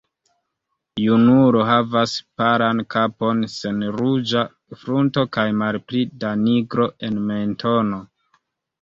Junulo havas palan kapon sen ruĝa frunto kaj malpli da nigro en mentono.